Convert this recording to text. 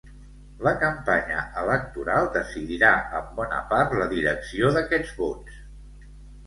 La campanya electoral decidirà en bona part la direcció d'aquests vots.